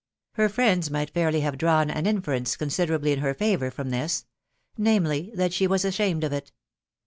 Her friends might fairly have drawn an inference considerably in her favour from this, .... namely, that she was ashamed of it.